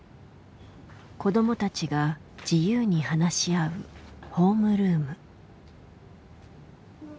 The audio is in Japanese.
子どもたちが自由に話し合う「ホームルーム」。